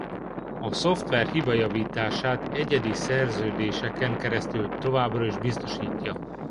A szoftver hibajavítását egyedi szerződéseken keresztül továbbra is biztosítja.